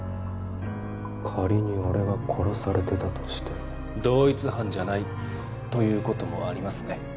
仮に俺が殺されてたとして同一犯じゃないということもありますね